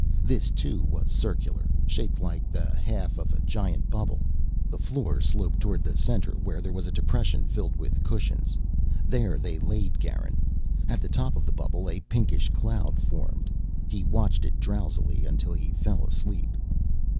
This, too, was circular, shaped like the half of a giant bubble. The floor sloped toward the center where there was a depression filled with cushions. There they laid Garin. At the top of the bubble, a pinkish cloud formed. He watched it drowsily until he fell asleep.